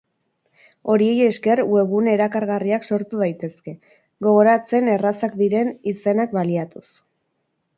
Horiei esker, webgune erakargarriak sortu daitezke, gogoratzen errazak diren izenak baliatuz.